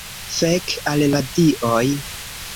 Fek' al la Dioj